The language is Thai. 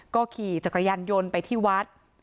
ก็ขี่จักรยานยนต์ไปที่วัด